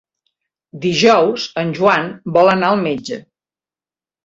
Dijous en Joan vol anar al metge.